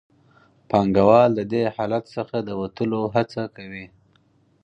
پانګوال د دې حالت څخه د وتلو هڅه کوي